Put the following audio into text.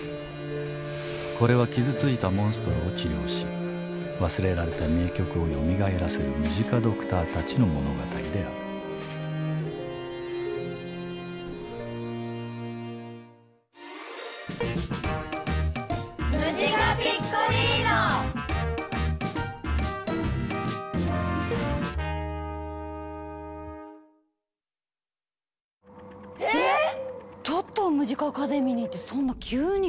これは傷ついたモンストロを治療し忘れられた名曲をよみがえらせるムジカドクターたちの物語であるえぇっ⁉トットをムジカ・アカデミーにってそんな急に。